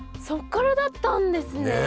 そっからだったんですね！